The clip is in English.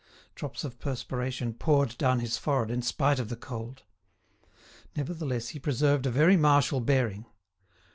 Drops of perspiration poured down his forehead in spite of the cold. Nevertheless he preserved a very martial bearing.